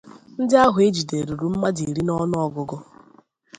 Ndị ahụ e jidere ruru mmadụ iri n'ọnụọgụgụ